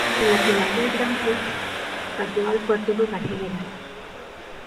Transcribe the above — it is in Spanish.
En la final del Grand Prix, cayó al cuarto lugar general.